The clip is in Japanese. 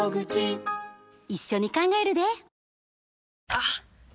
あっ！